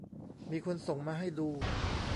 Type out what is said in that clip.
มีคนส่งมาให้ดู